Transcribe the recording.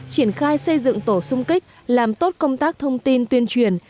triển khai xây dựng tổ sung kích làm tốt công tác thông tin tuyên truyền